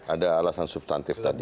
ada alasan substantif tadi